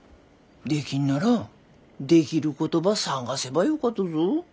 できんならできることば探せばよかとぞ。